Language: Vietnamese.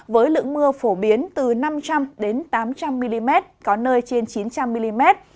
với lượng mưa phổ biến từ năm trăm linh tám trăm linh mm có nơi trên chín trăm linh mm